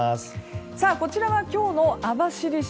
こちらは今日の網走市。